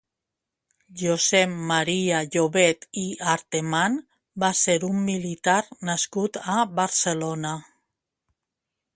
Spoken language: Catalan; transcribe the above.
Josep Maria Llobet i Arteman va ser un militar nascut a Barcelona.